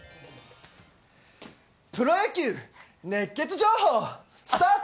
プロ野球熱ケツ情報スタート。